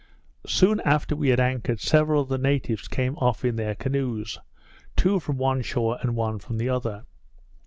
Soon after we had anchored, several of the natives came off in their canoes; two from one shore, and one from the other.